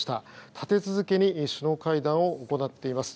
立て続けに首脳会談を行っています。